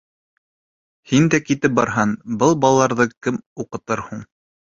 Һин дә китеп барһаң, был балаларҙы кем уҡытыр һуң?